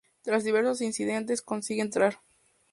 Tras diversos incidentes, consigue entrar.